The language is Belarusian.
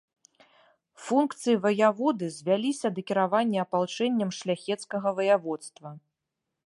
Функцыі ваяводы звяліся да кіравання апалчэннем шляхецкага ваяводства.